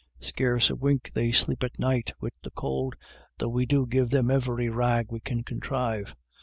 Scarce a wink they sleep of a night wid the could, though we do give them ivery rag we can conthrive.